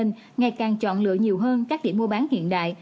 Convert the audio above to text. ngày càng chọn lựa nhiều hơn các điểm mua bán hiện đại